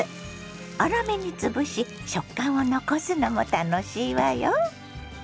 粗めに潰し食感を残すのも楽しいわよ。